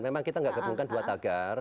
memang kita nggak gabungkan dua tagar